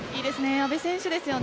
阿部選手ですよね。